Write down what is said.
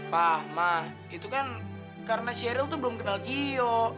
pak ma itu kan karena zeril tuh belum kenal gio